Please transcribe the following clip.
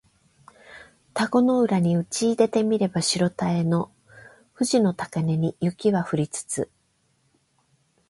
田子の浦にうちいでて見れば白たへの富士の高嶺に雪は降りつつ